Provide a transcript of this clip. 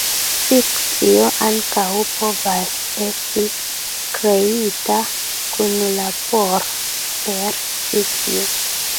Fikcio ankaŭ povas esti kreita kunlabore per vikio.